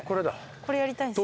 これやりたいんです。